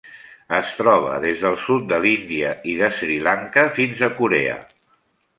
Es troba des del sud de l'Índia i de Sri Lanka fins a Corea.